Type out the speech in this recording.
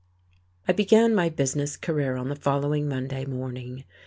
I began my business career on the following Monday morning.